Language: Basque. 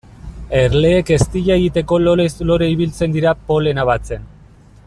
Erleek eztia egiteko lorez lore ibiltzen dira polena batzen.